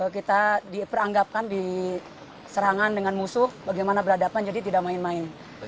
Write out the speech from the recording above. kita diperanggapkan diserangan dengan musuh bagaimana berhadapan jadi tidak main main